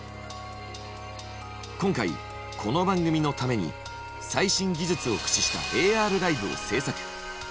今回この番組のために最新技術を駆使したＡＲライブを制作。